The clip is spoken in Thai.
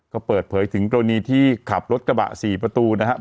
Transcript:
เขาเปิดเผยถึงตรวจนี้ที่ขับรถกระบะสี่ประตูนะฮะ